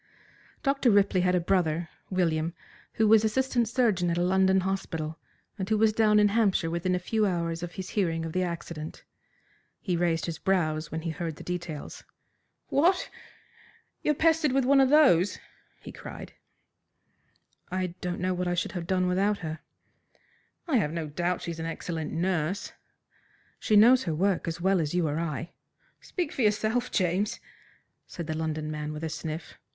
Dr. Ripley had a brother, William, who was assistant surgeon at a London hospital, and who was down in Hampshire within a few hours of his hearing of the accident. He raised his brows when he heard the details. "What! You are pestered with one of those!" he cried. "I don't know what I should have done without her." "I've no doubt she's an excellent nurse." "She knows her work as well as you or I." "Speak for yourself, James," said the London man with a sniff.